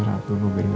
ya aku selalu pusing